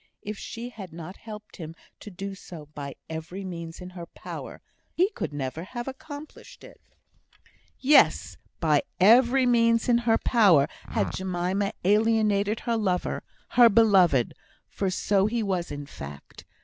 If she had not helped him to do so by every means in her power, he could never have accomplished it. Yes! by every means in her power had Jemima alienated her lover, her beloved for so he was in fact.